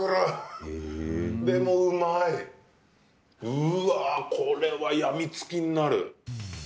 うわあ、これは病みつきになる。